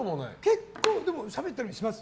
結構、しゃべったりもします。